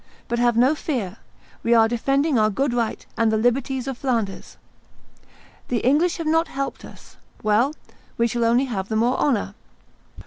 But have no fear; we are defending our good right and the liberties of Flanders. The English have not helped us; well, we shall only have the more honor.